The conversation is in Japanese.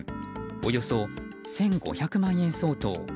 およそ１５００万円相当。